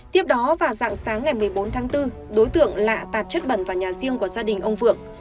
tiếp đó vào dạng sáng ngày một mươi bốn tháng bốn đối tượng lạ tạt chất bẩn vào nhà riêng của gia đình ông phượng